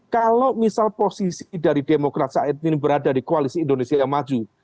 kalau misal posisi dari demokrat saat ini berada di koalisi indonesia yang maju